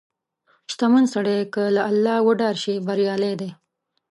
• شتمن سړی که له الله وډار شي، بریالی دی.